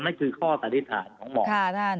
นั่นคือข้อตฤทธารของหมอ